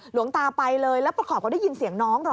หลวงตาไปเลยแล้วประกอบกับได้ยินเสียงน้อง